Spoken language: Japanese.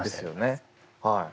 はい。